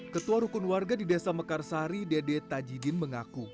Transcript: ketua rukun warga di desa mekarsari dede tajidin mengaku